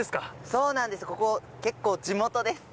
そうなんです、ここ、結構、地元です。